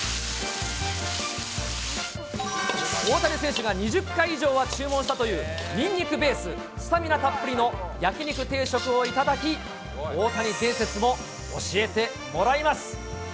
大谷選手が２０回以上は注文したというニンニクベース、スタミナたっぷりの焼き肉定食を頂き、大谷伝説も教えてもらいます。